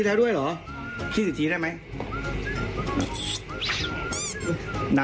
คิสไปแล้วด้วยหรือคิสอีกทีได้ไหม